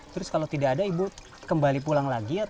terus kalau tidak ada ibu kembali pulang lagi